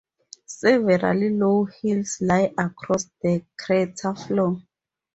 Several low hills lie across the crater floor.